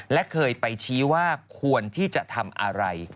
และเคยไปชี้ว่าควรที่จะทำอะไร